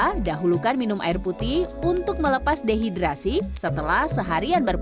financial onun bagaimana untuk menghelang dadah setelah auto vicem breve